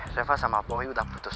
reva sama boy udah putus